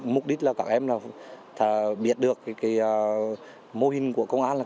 mục đích là các em biết được mô hình của công an